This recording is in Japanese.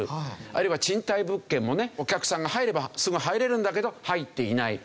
あるいは賃貸物件もねお客さんが入ればすぐ入れるんだけど入っていない。